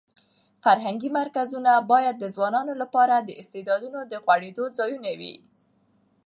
فرهنګي مرکزونه باید د ځوانانو لپاره د استعدادونو د غوړېدو ځایونه وي.